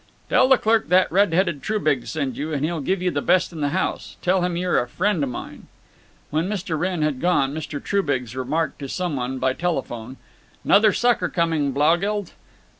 "Tell the clerk that red headed Trubiggs sent you, and he'll give you the best in the house. Tell him you're a friend of mine." When Mr. Wrenn had gone Mr. Trubiggs remarked to some one, by telephone, "'Nother sucker coming, Blaugeld.